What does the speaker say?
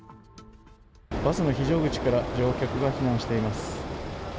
バスの非常口から乗客が避難しています。